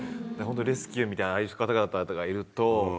レスキューみたいなああいう方々がいると。